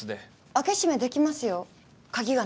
開け閉めできますよ鍵がなくても。